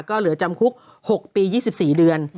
ก็เหลือจำคุก๖ปี๒๔เดือน